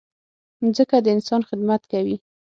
مځکه د انسان خدمت کوي.